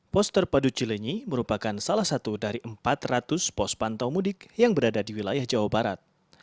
pos terpadu cilenyi merupakan salah satu dari empat ratus pos pantau mudik yang berada di wilayah jawa barat